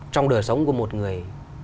trong đời sống của một người